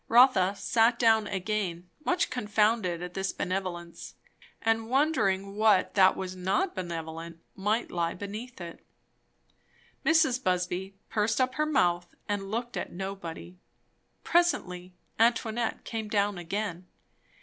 Rotha sat down again, much confounded at this benevolence, and wondering what that was not benevolent might lie beneath it. Mrs. Busby pursed up her mouth and looked at nobody. Presently Antoinette came down again.